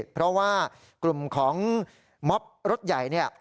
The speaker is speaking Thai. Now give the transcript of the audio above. เพราะว่ากลุ่มของมอบรถหลาย